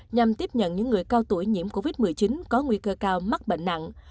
nhằm tiếp nhận những người cao tuổi nhiễm covid một mươi chín có nguy cơ cao mắc bệnh nặng